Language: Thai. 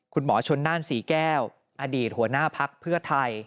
คุณหมอชนน่านศรีแก้วอดีตหัวหน้าพักเพื่อไทย